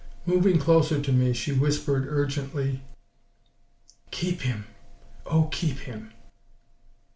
Moving closer to me she whispered urgently: "Keep him. Oh, keep him!"